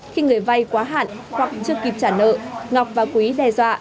khi người vay quá hạn hoặc chưa kịp trả nợ ngọc và quý đe dọa